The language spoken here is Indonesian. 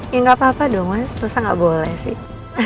gak apa apa dong mas susah gak boleh sih